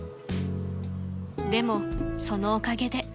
［でもそのおかげで］